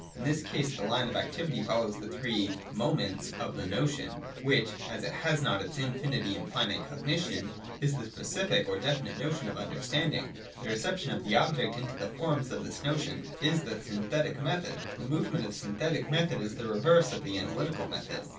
In this case the line of activity follows the three ' moments ' of the notion, which (as it has not its infinity in finite cognition) is the specific or definite notion of understanding. The reception of the object into the forms of this notion is the Synthetic Method. The movement of the Synthetic method is the reverse of the Analytical method.